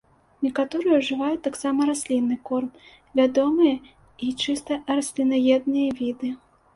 Некаторыя ўжываюць таксама раслінны корм, вядомыя і чыста раслінаедныя віды.